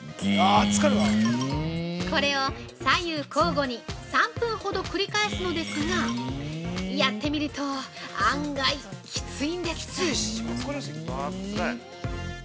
◆これを左右交互に３分ほど繰り返すのですが、やってみると案外キツイんです！